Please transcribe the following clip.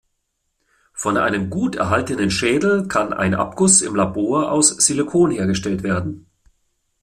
Von einem gut erhaltenen Schädel kann ein Abguss im Labor aus Silikon hergestellt werden.